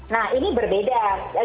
nah ini berbeda